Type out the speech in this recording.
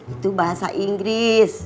itu bahasa inggris